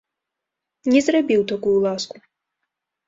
Не зрабіў такую ласку.